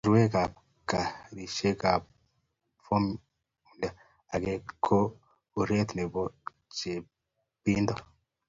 Ng'waekab karishekab fomula agenge ko urerieet nebo chepchepindo